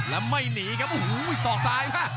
แล้วไม่หนีครับโอ้โหสอกซ้าย